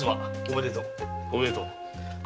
おめでとう。